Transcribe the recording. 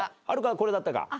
はるかこれだったか？